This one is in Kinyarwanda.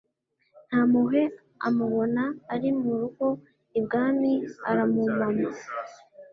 ntampuhwe amubona ari mu rugo ibwami aramumama